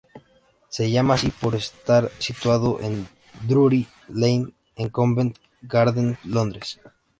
Se llama así por estar situado en Drury Lane, en Covent Garden, Londres.